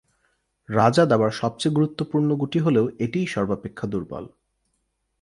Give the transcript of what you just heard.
রাজা দাবার সবচেয়ে গুরুত্বপূর্ণ গুটি হলেও এটিই সর্বাপেক্ষা দুর্বল।